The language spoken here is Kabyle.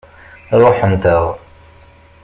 Ṛuḥent-aɣ.